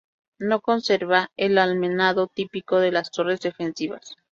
No conserva el almenado típico de las torres defensivas.